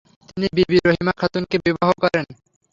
তিনি বিবি রহিমা খাতুনকে বিবাহ করেন।